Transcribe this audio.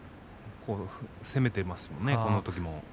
攻めていますよね、このときも。